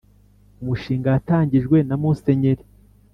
Umushinga watangijwe na musenyeri